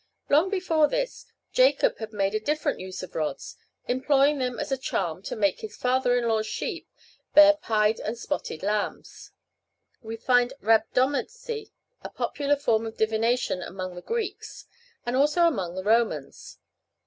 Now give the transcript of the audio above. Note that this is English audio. " Long before this, Jacob had made a different use of rods, employing them as a charm to make his father in law's sheep bear pied and spotted lambs. We find rhabdomancy a popular form of divination among the Greeks, and also among the Romans.